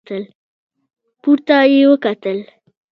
پورته يې وکتل.